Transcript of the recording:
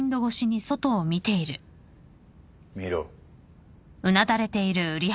見ろ。